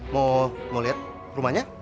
mau liat rumahnya